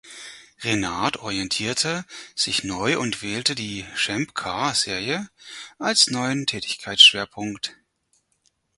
Reynard orientierte sich neu und wählte die Champ-Car-Serie als neuen Tätigkeitsschwerpunkt.